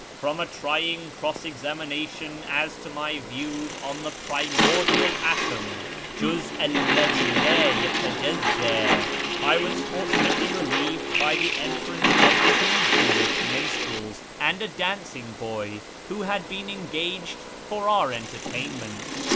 From a trying cross examination as to my views on the primordial atom {juz allaclM Id yatajazzd) I was fortunately relieved by the entrance of two J, shirAz ^93 Jewish minstrels and a dancing boy, who had been engaged for our entertainment.